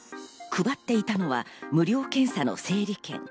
配っていたのは無料検査の整理券。